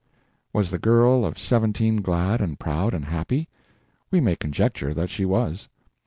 Was the girl of seventeen glad and proud and happy? We may conjecture that she was.